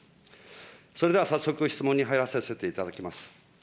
それでは早速、質問に入らせていただきます。